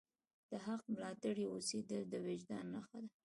د حق ملاتړی اوسیدل د وجدان نښه ده.